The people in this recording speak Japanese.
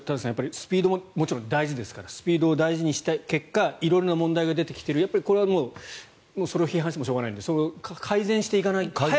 スピードももちろん大事ですからスピードを大事にした結果色んな問題が出てきているこれはもう、それを批判してもしょうがないのでそれを早く改善していかないと。